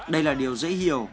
đây là điều dễ hiểu